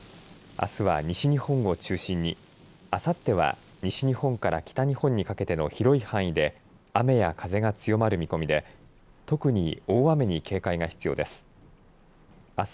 あすは西日本を中心にあさっては西日本から北日本にかけての広い範囲で雨や風が強まる見込みで特に大雨に警戒が必要です。